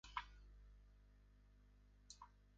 ชุดนี้ด้วยครับ